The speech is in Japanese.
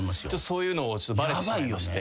そういうのをちょっとバレてしまいまして。